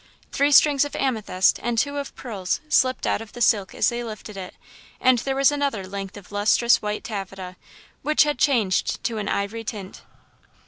Three strings of amethysts and two of pearls slipped out of the silk as they lifted it, and there was another length of lustrous white taffeta, which had changed to an ivory tint.